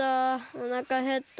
おなかへった。